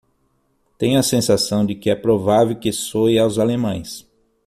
Tenho a sensação de que é provável que soe aos alemães.